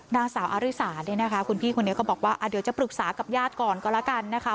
นางสาวอาริสาเนี่ยนะคะคุณพี่คนนี้ก็บอกว่าเดี๋ยวจะปรึกษากับญาติก่อนก็แล้วกันนะคะ